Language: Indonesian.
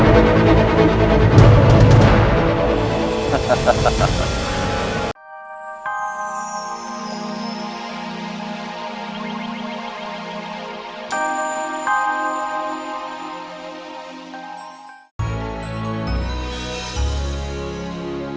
dan raden kiansanta